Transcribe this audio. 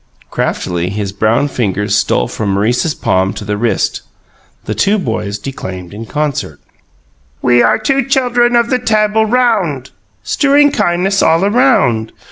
Craftily his brown fingers stole from Maurice's palm to the wrist. The two boys declaimed in concert: "We are two chuldrun of the Tabul Round Strewing kindness all a round.